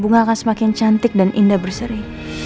bunga akan semakin cantik dan indah berseri